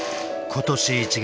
今年１月。